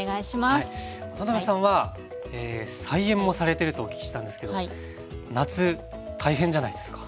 ワタナベさんは菜園もされてるとお聞きしたんですけど夏大変じゃないですか？